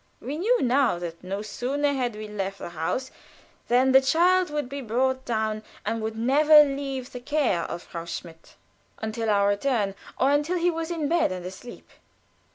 We knew now that no sooner had we left the house than the child would be brought down, and would never leave the care of Frau Schmidt until our return, or until he was in bed and asleep.